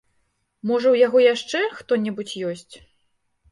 Можа, у яго яшчэ хто-небудзь ёсць?